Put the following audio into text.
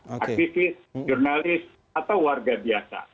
aktivis jurnalis atau warga biasa